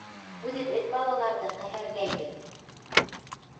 Үҙебеҙҙең балаларҙы ҡәһәрләйбеҙ!